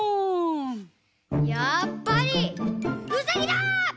やっぱりうさぎだぁ！